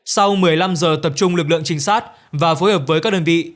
sau một mươi năm giờ tập trung lực lượng trinh sát và phối hợp với các đơn vị